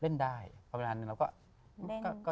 เล่นได้ประมาณนึงเราก็